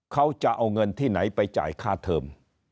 เขาจะเอาเงินที่ไหนไปจ่ายค่าเทิม